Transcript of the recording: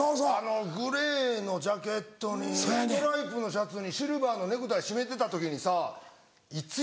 「グレーのジャケットにストライプのシャツにシルバーのネクタイ締めてた時にさ」。